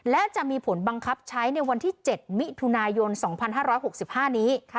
และจะมีผลบังคับใช้ในวันที่๗มิถุนายน๒๕๖๕นี้